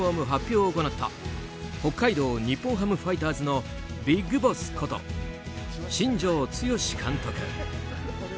発表を行った北海道日本ハムファイターズのビッグボスこと新庄剛志監督。